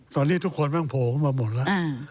ตอนนี้ทุกคนแม่งโผล่ขึ้นมาหมดแล้ว